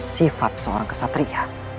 sifat seorang kesatria